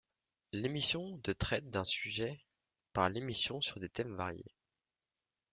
L'émission de traite d'un sujet par émission sur des thèmes variés.